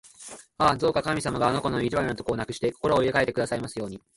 ああ、どうか神様があの子の意地悪なところをなくして、心を入れかえてくださいますように！